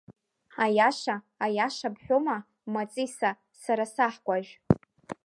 Аиаша, аиаша бҳәома, Маҵиса, сара саҳкәажә!